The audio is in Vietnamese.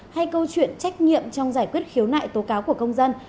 hay câu chuyện trách nhiệm trong giải quyết khiếu nại tố cáo của công dân